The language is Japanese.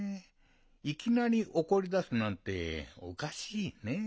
いきなりおこりだすなんておかしいねえ。